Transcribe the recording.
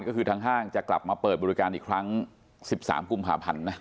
ก็คือทางห้างจะกลับมาเปิดบริการอีกครั้ง๑๓กุมภาพันธ์นะ